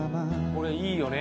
これいいよね。